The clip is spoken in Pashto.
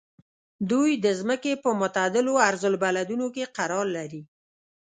دوی د ځمکې په معتدلو عرض البلدونو کې قرار لري.